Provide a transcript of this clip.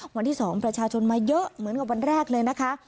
วันที่๒ประชาชนมาเยอะเหมือนกับวันแรกเลยนะคะ